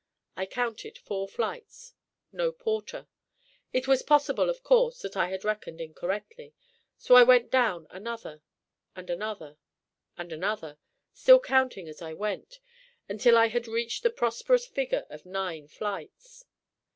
I counted four flights: no porter. It was possible, of course, that I had reckoned incorrectly; so I went down another and another, and another, still counting as I went, until I had reached the preposterous figure of nine flights.